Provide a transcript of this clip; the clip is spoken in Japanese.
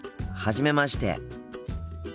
初めまして。